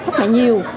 rất là nhiều